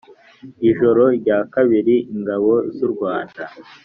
Ijoro rya kabiri ingabo z u rwanda